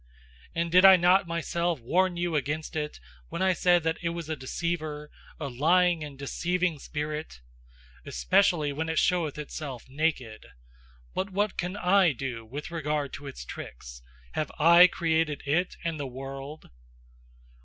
And did I not myself warn you against it when I said that it was a deceiver, a lying and deceiving spirit? Especially when it showeth itself naked. But what can I do with regard to its tricks! Have I created it and the world?